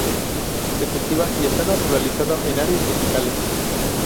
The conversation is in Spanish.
Se cultiva, y está naturalizado en áreas tropicales.